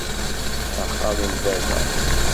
Axxam m-baba.